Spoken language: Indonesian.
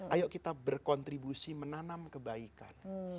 ayo kita berkontribusi menanam kebaikan